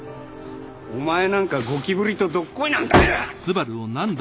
お前なんかゴキブリとどっこいなんだよ！